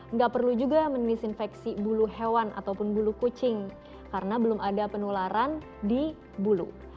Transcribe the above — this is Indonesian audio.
nggak perlu juga mendisinfeksi bulu hewan ataupun bulu kucing karena belum ada penularan di bulu